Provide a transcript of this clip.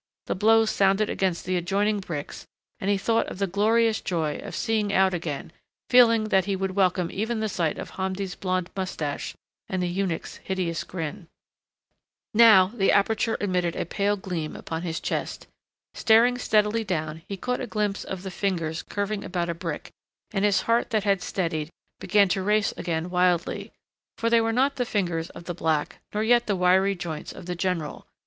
The blows sounded against the adjoining bricks and he thought of the glorious joy of seeing out again, feeling that he would welcome even the sight of Hamdi's blond mustache and the eunuch's hideous grin. Now the aperture admitted a pale gleam upon his chest. Staring steadily down he caught a glimpse of the fingers curving about a brick, and his heart that had steadied, began to race again wildly. For they were not the fingers of the black nor yet the wiry joints of the general.